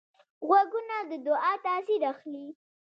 غوږونه د دعا تاثیر اخلي